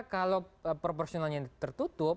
kalau proporsionalnya tertutup